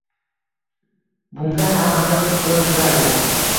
Bunga hammamiz hushyor turardik.